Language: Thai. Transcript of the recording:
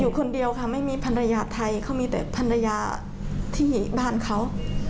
คนเดียวค่ะไม่มีภรรยาไทยเขามีแต่ภรรยาที่บ้านเขา